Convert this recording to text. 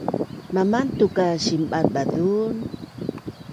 Mamantuk a sinbazbaz un